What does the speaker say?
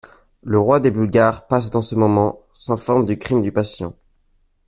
Le roi des Bulgares passe dans ce moment, s’informe du crime du patient.